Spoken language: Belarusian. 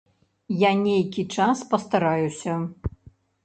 Я нейкі час пастараюся.